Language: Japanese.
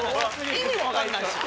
意味も分かんないし。